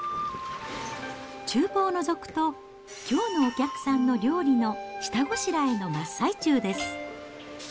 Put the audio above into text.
ちゅう房をのぞくと、きょうのお客さんの料理の下ごしらえの真っ最中です。